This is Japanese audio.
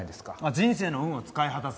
「人生の運を使い果たす」。